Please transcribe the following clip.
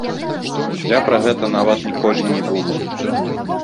Я пра гэта нават ніколі не думаў.